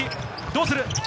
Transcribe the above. どうする？